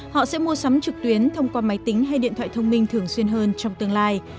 họ sẽ mua sắm trực tuyến thông qua máy tính hay điện thoại thông minh thường xuyên hơn trong tương lai